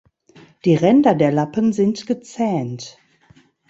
Die Ränder der Lappen sind gezähnt.